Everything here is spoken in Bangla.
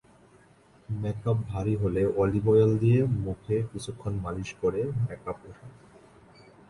মেকআপ ভারী হলে অলিভ অয়েল দিয়ে মুখে কিছুক্ষণ মালিশ করে মেকআপ ওঠান।